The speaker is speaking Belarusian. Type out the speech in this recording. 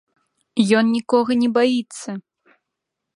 Ён нікога не баіцца!